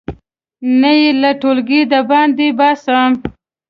نه یې له ټولګي د باندې باسم.